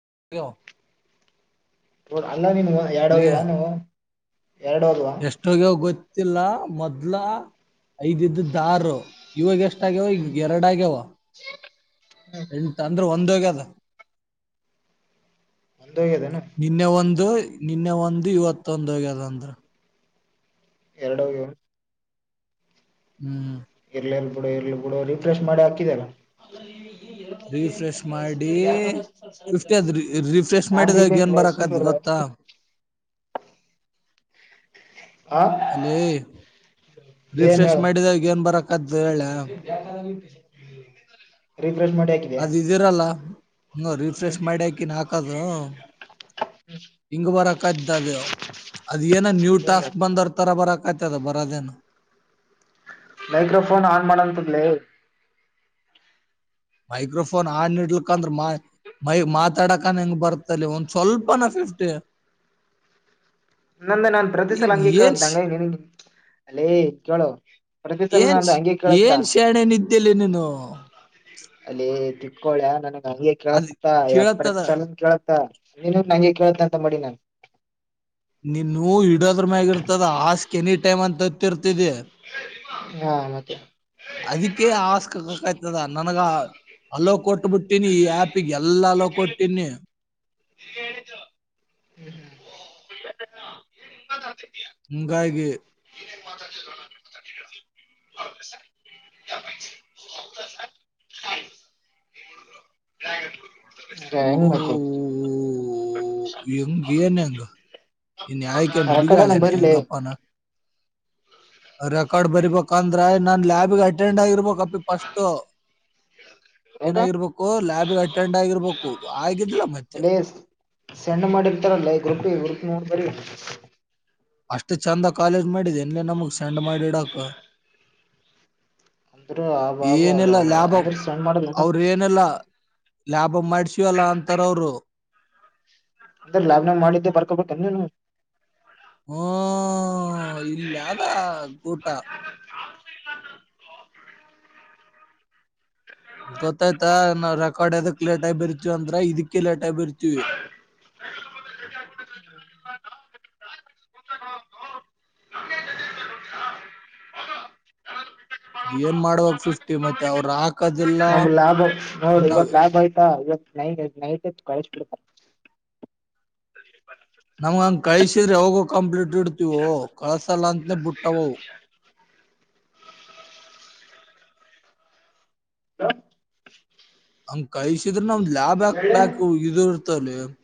[unintelligible] [unintelligible] ಅಲ್ಲ ನಿನವು ಎರಡು ಹೋಗಿವ ನೀವು. ಎರಡು ಹೋದ್ವಾ ಎಷ್ಟೋಗವ ಗೊತ್ತ ತ್ತಿಲ್ಲ ಮೊದ್ಲ ಐದಿದ್ದ ಆರ ಇವಾಗ ಎಷ್ಟು. [unintelligible] ಎರಡ ಆಗವ ಎಂಟ್ ಅಂದ್ರೆ ಒಂದ ಒಗೆದ. [unintelligible] ಒಂದು ಹೋಗ್ಯದೇನು ನಿನ್ನೆ ಒಂದು. ನಿನ್ನೆ ಒಂದು ಇವತ್ತೊಂದೋಗೆದಂದ್ರು. ಎರಡೋಗ್ಯವ. ಹ್ಮ್ ಇರ್ಲಿ ಇಲ್ ಬಿಡು ಇರ್ಲ್ ಬಿಡು ರಿಫ್ರೆಶ್ ಮಾಡಿ ಹಾಕಿದಲ್ಲ. ರಿಫ್ರೆಶ್ ಮಾಡಿ ಫಿಫ್ಟಿ ಅದ ರಿ ರಿಫ್ರೆಶ್ ಟ್ಯಾಬ್ಲೆಟ್ ಮಾಡಿದಾಗ ಏನ್ ಬೇಕಲೇ ಬರಕತ್ ಸುಮ್ಕಿರು ಗೊತ್ತಾ. ಆ ಅಲ್ಲಿ ಏನ್ ರಿಫ್ರೆಷ್ ಹೇಳು ಮಾಡಿದಾಗ ಏನ್ ಬರಾಕತ್ತ ಹೇಳ್ಲ್ಯಾ. [inaudible] ಹಾಕಿದ್ಯಾ ಅದಿದರಲ್ಲ. ಹ ರಿಫ್ರೆಶ್ ಮಾಡಿ ಹಾಕಿನಿ ಹಾಕದ. [unintelligible] ಹಿಂಗ ಬರಕತ್ತಿ ಅದು ಅದ ಏನ ನ್ಯೂ ಟಾಸ್ಕ್ ಬಂದರ್ ತರ ಬರಕ್. ಆತ್ತೆದ ಬರದೇನು. ಮೈಕ್ರೋಫೋನ್ ಆನ್ ಮಾಡಲಂತದ್ಲೇ. ಮೈಕ್ರೋಫೋನ್ ಆನ್ ಇಡ್ಲಕ ಅಂದ್ರ ಮಾ ಮೈ ಮಾತಾಡಕನ ಹೆಂಗ ಬರ್ತಲ್ಲಿ ಒಂದ ಸ್ವಲ್ಪನ ಫಿಫ್ಟಿ. ನಂದ ನಾನ್ ಪ್ರತಿ ಸಲ ಹಿಂಗ್ ಹಂಗೆ ಏನ್ ಕೇಳುತ್ತಂಗನ ಲ್ಲೇ ಕೇಳು ಪ್ರತಿ ಸಲ ನಂದು ಹಂಗೆ ಕೇಳತ್ತ. ತಿಲ್ಲೇ ನೀನು. ಲೇ ತಿಕ್ಕೊಳ್ಯ ನನ. ನಂಗೆ ಅದ್ ಕೇಳಸ್ತಾ [unintelligible] ಕೇಳತದ ಎಲ್ಲ ಕೇಳತ್ತಾ. ನೀನು ನಂಗೆ ಕೇಳ್ತ ಅಂತ ಮಾಡಿನಿ ನಾನು. ನೀನು ಇಡದ್ರ ಮ್ಯಾಗ ಇರ್ತದ ಆಸ್ಕ್ ಎನಿ ಟೈಮ್ ಅಂತ ಓತ್ತಿರ್ತಿದಿ. ಹಾ ಮತ್ತೆ. ಅದಕ್ಕೆೇ ಆಸ್ಕ [unintelligible] ನನಗ. ಹಲ್ಲೋ ಕೊಟ್ಬಿಟ್ಟು. ಕೊಟ್ಟೀನಿ ಈ ಆಪಿಗೆ ಎಲ್ಲ ಅಲ್ಲೋ ಕೊಟ್ಟೀನಿ. [unintelligible] [unintelligible] ಹಿಂಗಾಗಿ [unintelligible] ಗ ಊ [unintelligible] ಎಂಗೇನಂದ? ಈ ನ್ಯಾಯಕ್ಕೆ ಆ ಕಡೆನ ನುಡಿಗಾಳೆನ್ ಬರಿಲೆ ಹೆಂಗಪ್ಪಾನ ರೆಕಾರ್ಡ್ ಬರಿಬೇಕಂದ್ರೆ ನಾನ್ ಲ್ಯಾಬ್ಗೆ ಅಟೆಂಡ್ ಆಗಿರ್ಬೇಕಪ್ಪ. ಫಸ್ಟು. ಯಾಕ ಏನಾಗಿರ್ಬೇಕು ಲ್ಯಾಬ್ಗೆ ಅಟೆಂಡ್ ಆಗಿರ್ಬೇಕು ಆಗಿದ್ಲ ಮತ್ತೆ ಅಲ್ಲೇ ಸೆಂಡ್ ಮಾಡಿರ್ತಾರಲ್ಲ ಈ ಗ್ರೂಪ್ಗೇ ಈ ಗ್ರೂಪ್ ನೋಡ್ಬರಿ. ಅಷ್ಟು ಚೆಂದ ಕಾಲೇಜ್ ಮಾಡಿದೇನ್ಲೇ ನಮಗ್ ಸೆಂಡ್ ಮಾಡಿಡಕ. ಅಂದ್ರ ಆಬಬಬಬ ಅಂದ್ರ ಸೆಂಡ್ಮಾಡುದ್ಲೇನು. ಅವ್ರ ಏನಿಲ್ಲ ಲ್ಯಾಬ್ ಬ್ಬ ಮಾಡ್ಸಿವಲ್ಲ ಅಂತಾರವ್ರು. ಅಂದ್ರ್ ನಾವ್ನಾವ್ ಮಾಡಿದ್ದೆ ಬರ್ಕೊಬೇಕೆನು. ಹ್ಮ್ ಇಲ್ಲ ಅದ ಗೂಟ [unintelligible] ಗೊತ್ತಾಯ್ತಾ ನಾವ್ ರೆಕಾರ್ಡ್ ಎದಕ್ ಲೇಟ್ ಆಗಿಬರಿತೀವಂದ್ರ ಇದಕ್ಕೆ ಲೇಟ್ ಆಗ್ಬರಿತೀವಿ. ಏನ್ ಮಾಡುವಾ ಫಿಫ್ಟಿ ಮತ್ತೆ ಅವ್ರಾಕ್ ನಮ್ ಲ್ಯಾಬ್ ನೋಡ್ ಇವತ್ತು ಲ್ಯಾಬ್ ಆಯ್ತಾ ಇವತ್ತು ನೈ ನೈಟ್ [unintelligible] ನಮ್ಗ ಹಂಗ್ ಕಳಿಸಿದ್ರೆ ಅವಾಗೋ ಕಂಪ್ಲೀಟ್ ಇಡ್ತೀವೋ ಕಳ್ಸಲ್ಲ ಅಂತನೇ ಬಿಟ್ಟವವು. ಹ [inaudible] ಹಂಗ್ ಕಳಸಿದ್ರೆ ನ ಲ್ಯಾಬ್ಯಾಕ್ ಬ್ಯಾಕು ಇದು [unintelligible]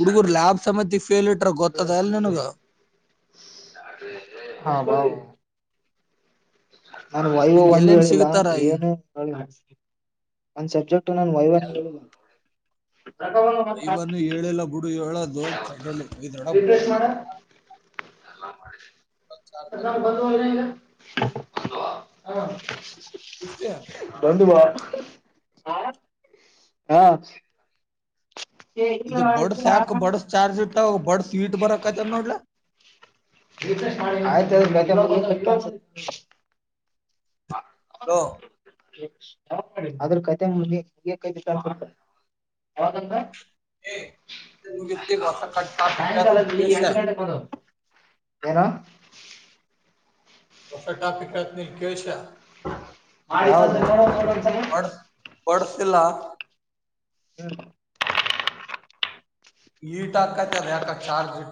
ಹುಡುಗುರ್ ಲ್ಯಾಬ್ ಸಮೇತ ಫೇಲ್ ಇಟ್ರ ಗೊತ್ತದೇಲ್ಲ್ ನಿನುಗ? ಹಾ ಅವ್ನ್ ವೈವೊ ಒಂದ್ ಎಲ್ಲೇನ್ ಹೇಳಿಲ್ಲ ಸಿಗತಾರ ಏನು ಹೇಳ ಒಂದ್ ಸಬ್ಜೆಕ್ಟ್ನ ವೈವೊ ಹೇಳಿಲ್ಲ. ವೖವನು ಹೇಳಿಲ್ಲ ಬಿಡು ಹೇಳದು ತಟ್ಟೇಲಿ ಇದ್ರೊಳಗ್ ಬಡ್ಸ್ತಾರೆ. ಎಲ್ಲಾ ಮಾಡಿದಿನಿ. [unintelligible] [inaudible] ಹವಾ ಹ ಇಷ್ಟೇ [unintelligible] [unintelligible] [unintelligible] ಹ ಹಾ ಇದು ಬಡ್ಸ್ಯಾಕು ಬಡಸ್ ಚಾರ್ಜ್ ಇ ಬಡ್ ಸ್ವೀಟ್ ಬರಕಾಯ್ತದ್ನೋಡ್ಲೆ. [unintelligible] ಆಯ್ತಾಯ್ತ್ ಬ ಹಲೋ ಅದ್ರ್ ಕತೆ ಮುಗಿತ್ [unintelligible] ಅವತಂದೆ ಸಾಯಂಕಾಲ ಬೆಳಿಗ್ಗೆ ಎಂಟು ಗಂಟೆಗೆ ಬಂದವು ಏನೋ [unintelligible] ಹೊಸ ಟಾಫಿಕತ್ನ ಕೇಳ್ಸತಿಯಾ? ಆ ಮೋಡ ನೋಡೋನ್ಸಲಿ. ಬಡ್ಸ್ ಬಡ್ಸ್ ಇಲ್ಲ ಹ್ಮ್ [unintelligible] ಹೀಟಾಕಾಯತದ ಯಾಕ ಚಾರ್ಜು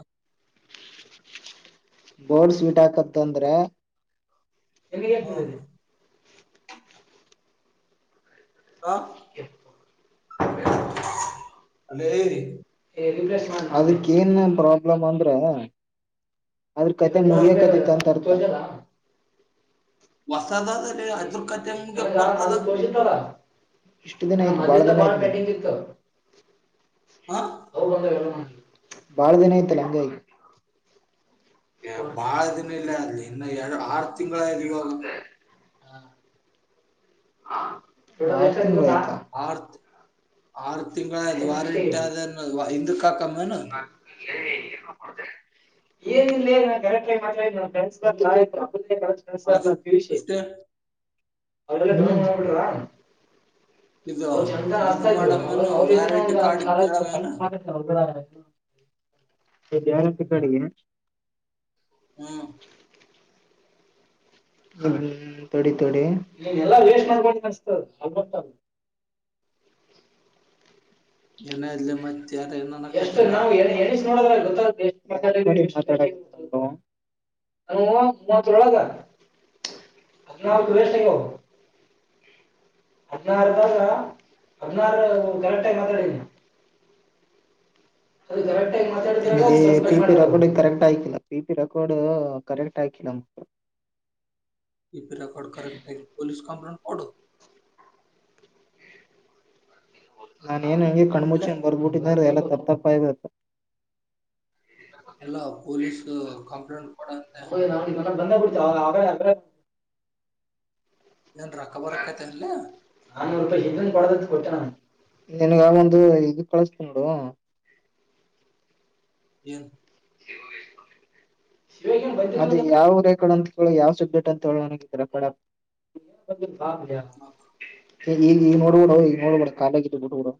[unintelligible] ಸ್ವೀಟಾಕತ್ತ ಅಂದ್ರೆ ಹ್ಮ್ [unintelligible] ಹಾ [unintelligible] ಅಲ್ಲೇರಿ. ಏ ರಿಕ್ವೆಸ್ಟ್ ಮಾಡ್ಲ ಅದಕ್ಕ ಏನೇನ್ ಪ್ರಾಬ್ಲಮ್ ಅಂದ್ರೆ ಅದ್ರ ಕತೆ ಹಾ ಮುಗಿಯಕತ್ತೆತಂತರೆ. [unintelligible] ವಾಸ್ [unintelligible] ಅದರ್ಕತೆ ಮುಗಿಯಕ್ ನನಗ ಬರ್ತದ. [unintelligible] ಹಾ ಹೌದಂದ್ರೆ [unintelligible] ಬಾಳದಿನಾಯ್ತಲ್ಲ ಹಂಗಾಗಿ. ಏ ಫೋರ್ ಬಾಳ ನೈಂಟಿ ನೈನ್ ದಿನ ಇಲ್ಲ ಅಲ್ಲಿ. ಇನ್ನು ಎರಡು ಆರ್ತ್ ತಿಂಗಳಾಯದ್ ಇವಾಗ. [unintelligible] ಆರ್ಥ್ ಆರ್ ಎಷ್ಟ ಆಯ್ತು ಗೊತ್ತಾ ತಿಂಗಳದು ವಾರಂಟ್ ಆದೇನ ಹಿಂದಕ. ತಕಂ. [unintelligible] ಏನ್ ಇಲ್ಲೇ ನ ಕರೆಕ್ಟ ಮಾತಾಡ ನನ್ ಪ್ರೆಂಡ್ಸ್ [unintelligible] [unintelligible] ಇಷ್ಟೇ [unintelligible] [unintelligible] ಇದಕ್ಕೆ ಇದು ಇದ್ ಮಾಡಮೇನು ವ್ಯಾರಂಟಿ ಕಾರ್ಡ್ ಕೇಳಮೇನು ವ್ಯಾರಂಟಿ ಕಾರ್ಡ್ ಇದೇನ. ಹ್ಮ ಹ್ಮ ತಡಿ ತಡಿ [unintelligible] ಎನಾಲೆ ಮತ್. ಯಾವ್ದೋ ಇನ್ನೊಂದು ಎಷ್ಟು ಆಕತನ. ನಾವು [unintelligible] [unintelligible] [unintelligible] [unintelligible] [unintelligible] [unintelligible] [unintelligible] ಟ ಏನ ಫಿಫ್ಟಿ ಆಯ್ಕೆಲ್ಲ ಪಿ ಪಿ ರೆಕಾರ್ಡ್ ಕರೆಕ್ಟ್ ಆಯಕಿಲ್ಲ. ಪಿ ಟಿ ರೆಕಡ್ ಕರೆಕ್ಟ್ ಆಗಿ ಪೊಲಿಸ್ ಕಂಪ್ಲ ಕೊಡು. [unintelligible] ಏನ್ ಹೆಂಗೆ ಅಲ್ಲೇ ಕಣ್ಮುಚ್ಚಿಗಂದ ಬರ್ಬಿಟ್ಟಿದಿದ್ದಾರೆ ಎಲ್ಲ ತಪ್. ತಪ್ಪಾಯ [unintelligible] ಅಲ್ಲ ಪೊಲೀಸು ಕಂಪ್ಲೇಂಟ್ ಕೊಡ ಅಂತೆ. ಬಂದೆ ಬುಡುತ [unintelligible] ಏನ್ ರಕ್ಕ ಬರಕ್ಕತ ಅನ್ಲೆ. ನಾನೂರು ರೂಪಾಯಿ ಇದನ್ ಕೊಡದತ್ ನಿನ್ಗ ಒಂದು ಇದು ಕಳಸ್ತನೋಡು. ಏನು. ಅದು ಯಾವ ರೆಕಾಡ್ ಅಂತ ಕೇಳ ಯಾವ್ ಸಬ್ಜೆಕ್ಟ್ ಅಂತ ಹೇಳ ನನಗೆ ರೇಕಾಡ ಆ, [unintelligible] ಈಗ ಈ ನೋಡ್ಬಿಡು ಈಗ ನೋಡ್ಬಿ ಕಾಲೇಜ್ದು ಬಿಟ್ಬಿಡು.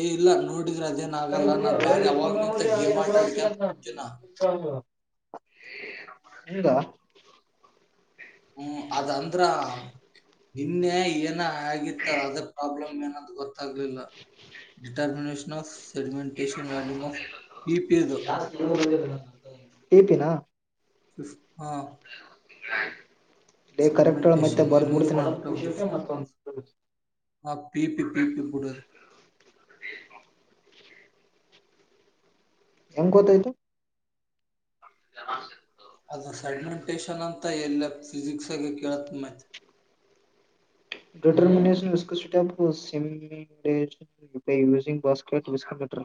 ಏ ಇಲ್ಲ ನೋಡ್. ನೋಡಿದ್ರೆ ಅದೇನ ಆಗಲ್ಲ ನಾನ್ ಬ್ಯಾರೆ ಅವಾಗ ನಿಂತ ಗೇಮ್ ಹಿಂಗ ಆಟಾ ಆಡ್ಕಂತ [unintelligible] [unintelligible] ಹ್ಮ್ ಅದ ಅಂದ್ರ ನಿನ್ನೆ ಏನ್ ಏನ ಆಗಿತ್ತು ಅದ ಪ್ರಾಬ್ಲಮ್ ಏನ ಅದ್ ಗೊತ್ತಾಗ್ಲಿಲ್ಲ ಡಿಟರ್ಮಿನೇಷನ್ಸ್ ಇನೊಂದು ಟಾಸ್ಕ್ ಬಂದೆ ಇಲ್ಲ ಅದು ಇದು ಟಾಸ್ಕ್ [unintelligible] ಓಕೆ ನಾ [unintelligible] [unintelligible] ಕರೆಕ್ಟ್ ಹೇಳ ಮತ್ತೆ ಸೆಗ್ಮಂಟಷನ್ ಬರ್ದ್ ಬಿಡ್ತೀನಿ ನಾನು [unintelligible] ಹೆಂಗ್ ಗೊತಾಯಿತು. [inaudible] ಅದು ಸೆಡ್ಮೆಂಟೇಶನ್ ಅಂತ ಎಲ್ಲ ಫಿಸಿಕ್ಸ್ಲ್ಲು ಕೇಳತ್ ಮೈತ್. Determination ವಿಸಕ setup ಸಿಮ by using basket ವಿಸಕಟರ್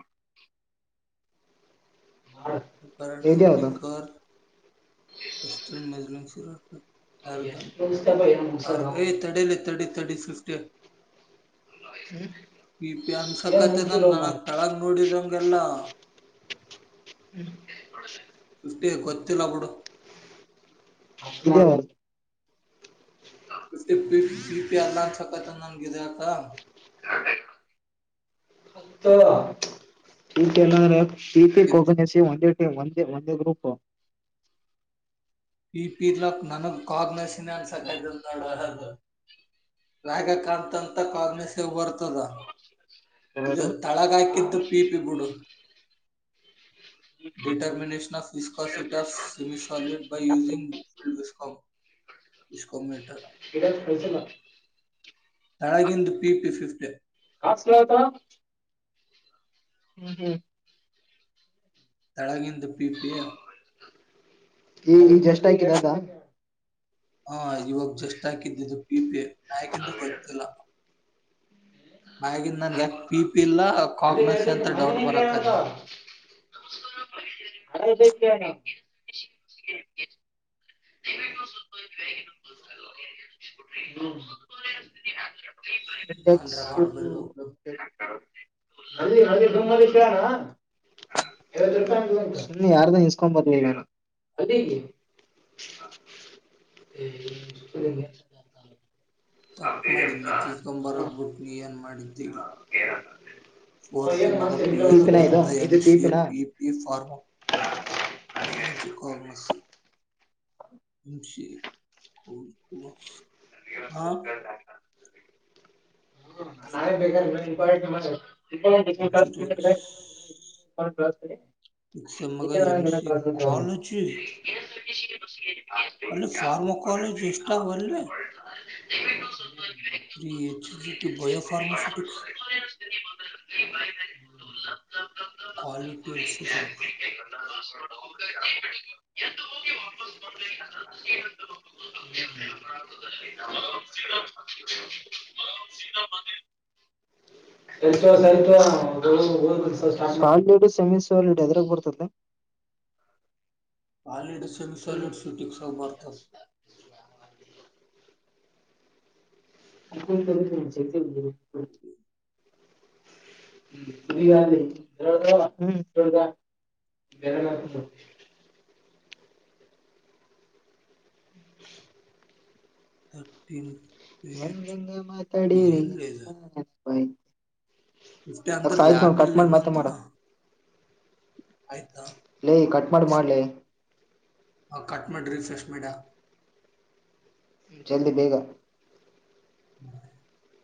ಪರಾಠೆ ಇದ್ಯಾವ್ದು ಬಿಕರ್ ಎಸ್ಟನ್ ಮಜಲಿಂಗ್ ಸಿರೋಟ್. ಹ್ಮ ಏ ತಡೀಲಿ [unintelligible] [unintelligible] ಈ ಪ್ಯಾನ್ಸ ಕತೆದನ್ ನನಗ್ ತಳಗ್ ನೋಡಿದಂಗೆಲ್ಲ. [inaudible] ಏ ಗೊತ್ತಿಲ್ಲ ಬುಡು. [inaudible] [unintelligible] [inaudible] [unintelligible] ಪಿ ಪಿ ಇತ್ ಕೊಕೋನೆಸಿ ಒಂದು ದೆ ಒಂದೇ ಒಂದೇ ಗ್ರೂಪು. ಪಿ ಪಿಲಕ್ ನನಗ್ ಕಾಗ್ನಸಿನ ಅನ್ಸಕ್ದಲ್ ನೋಡ ಅ ರಾಗಕಾತ್ಂತ ಕಾಗನಸೆವ ಬರ್ತದ. ಇದು ತಳಗಾಕಿದ್ದು ಪೀಪಿಬುಡು. Determinations of viscosity of semisolid. Using [unintelligible] Hum ಇಸ್ಕೊ metre. [unintelligible] ಹಾಗಿಂದು P ಪಿಫಿಫ್ಟೆ. ಅಸ್ಲತ. ಹ್ಮ್ ಹ್ಮ್. ತಳಗಿಂದು ಪೀ ಪಿಯ. ಈಗ್ ಜಷ್ಟಾಕಿರದ? ಹಾ ಇವಾಗ ಜಸ್ಟ್ ಹಾಕಿದ್ದಿದ್ದು ಪೀಪೆ. ನಯಕಂದು ಗೊತ್ತಿಲ್ಲ. ಅದಾಗಿಂದ್ ನನ್ಗೆಯಾಕ ಪೀಪಿಲ್ಲ. ಅಲ್ಲಿ [unintelligible] ಗಿರದು. [unintelligible] [unintelligible] [unintelligible] [unintelligible] ನಾನ್ ರೆಕಾರ್ಡ್ ಬರಿಬೇಕು ಬರಿ ಬರಿ [unintelligible] ಯಾರ್ದ ಇಸ್ಕೊಂಡ್ ಬರ್ದಿರದು [unintelligible] [inaudible] ತಪ್ಪ ಮಾಡಿದ್ ಹಾ. ಮೆಚ್ಚಿಸಕೊಂಬರೋದ್ ಬಿಟ್ ನೀ ಏನ್ ಮಾಡಿದ್. ಅವ ಏನ್ ಫೋರ್ತ್ಸೆಮ್ಮಾಗ ಮಾಡ್ತಿ ಪಿ ಇಲ್ಲ ಯು ಅಂತ. ಸಿ ಟಿಪಿನ ಇದು ಬರ್ತ ಎಂ ಇದು ಸಿ ಟಿಪಿನ ಪಿ ಪಿ [unintelligible] ಕಾಲೇಜು ಹೋಗ್ಮ. [unintelligible] ಹಾ. ಹ ನಾವೇ ಬೇಕಾದ್ರ ಸಿಕ್ಸ್ [unintelligible] [unintelligible] [unintelligible] [unintelligible] ಇಸನ್ಮಗ ಎಮ್ ಸಿ ಅವ್ರು. ಕಾಲೇಜೆ. [unintelligible] ಅಲ್ಲಿ ಫಾರ್ಮಾ ಕಾಲೇಜ್ ಎಷ್ಟಾವ್ ಅಲ್ರೀ. [unintelligible] ರಿ HDT biopharmaceutics. [unintelligible] Quality [unintelligible] [unintelligible] [unintelligible] solid semi solid ಎದ್ರಾಗ ಬರ್ತತೆ. ಹಾಲಿಡ್ ಸೆಮಿ ಸಾಲಿಡ್ ಸೂಟಿಂಗ್ಸಾಗ್ ಬರ್ತದ. [unintelligible] [unintelligible] ತರ್ಟಿನ್. ಹೆಂಗೆಂಗ ಮಾತಾಡೀರಿ ಎಲ್ಲ ಇದು ನೆನಪಾಯ್ ಫಿಫ್ಟಿ ಅಂದ್ರ ಆಯ್ತ್ ನೋಡ್ ಲ್ಯಾಬ್ ಕಟ್ ಇಲ್ಲ ಮಾಡಿ ಮತ್ತೆ ಏನಂದ್ರ ಮಾಡ್ ಆಯ್ತಾ ಲೆ ಕಟ್ ಮಾಡ್ ಮಾಡ್ಲೆ. ಹ ಕಟ್ ಮಾಡ್ ರಿಫ್ರೆಶ್ ಮಾಡ. ಜಲ್ದಿ ಬೇಗ. [unintelligible]